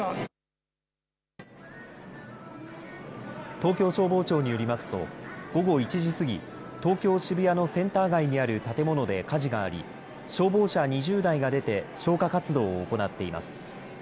東京消防庁によりますと午後１時過ぎ、東京渋谷のセンター街にある建物で火事があり消防車２０台が出て消火活動を行っています。